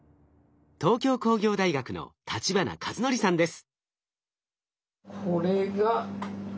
東京工業大学の立花和則さんです。